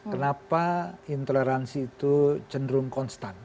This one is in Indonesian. kenapa intoleransi itu cenderung konstan